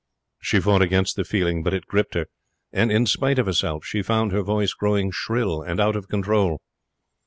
She fought against the feeling, but it gripped her; and, in spite of herself, she found her voice growing shrill and out of control.